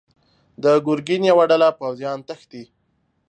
د ګرګين يوه ډله پوځيان تښتي.